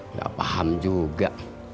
nggak paham juga